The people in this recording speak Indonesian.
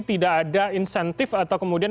tidak ada insentif atau kemudian